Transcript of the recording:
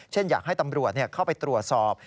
อยากให้ตำรวจเข้าไปตรวจสอบ